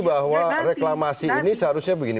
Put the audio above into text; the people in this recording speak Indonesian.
bahwa reklamasi ini seharusnya begini